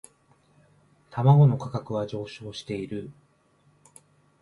卵の価格は上昇している